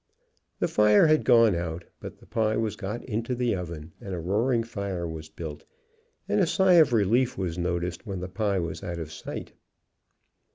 The fire had gone out, but the pie was got into the oven, and a roaring fire was built, and a sigh of relief was noticed when the pie was out of sight.